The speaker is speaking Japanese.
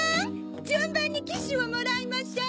じゅんばんにキッシュをもらいましょう。